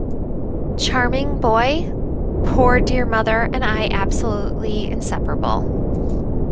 Charming boy — poor dear mother and I absolutely inseparable.